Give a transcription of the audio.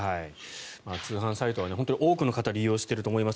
通販サイトは多くの方が利用していると思います。